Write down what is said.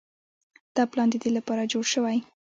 دا پلان د دې لپاره جوړ شوی